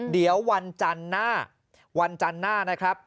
เดี๋ยววันจันทร์หน้าวันจันทร์หน้านะครับ